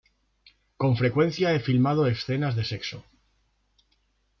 Con frecuencia he filmado escenas de sexo.